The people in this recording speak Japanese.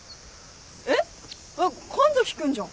えっ神崎君じゃん。